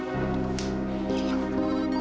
ini yang pertama